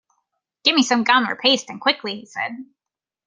"Get me some gum or paste, and quickly," he said.